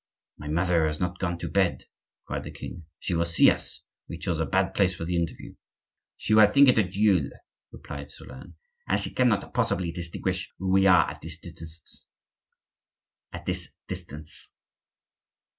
"My mother has not gone to bed," cried the king. "She will see us; we chose a bad place for the interview." "She will think it a duel," replied Solern; "and she cannot possibly distinguish who we are at this distance."